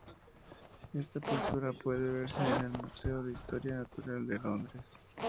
Esta pintura puede verse en el Museo de Historia Natural de Londres.